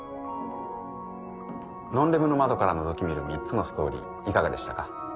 ノンレムの窓からのぞき見る３つのストーリーいかがでしたか？